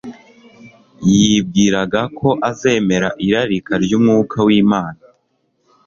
yibwiraga ko azemera irarika ry'Umwuka w'Imana.